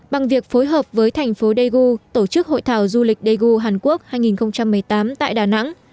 bằng việc phối hợp với thành phố daegu tổ chức hội thảo du lịch daegu hàn quốc hai nghìn một mươi tám tại đà nẵng